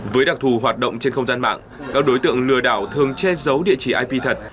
với đặc thù hoạt động trên không gian mạng các đối tượng lừa đảo thường che giấu địa chỉ ip thật